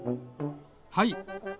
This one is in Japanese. はい。